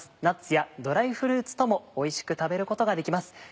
ナッツやドライフルーツともおいしく食べることができます。